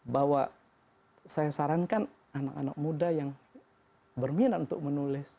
bahwa saya sarankan anak anak muda yang berminat untuk menulis